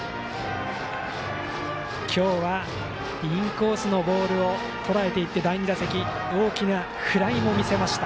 今日は、インコースのボールをとらえていって第２打席大きなフライも見せました。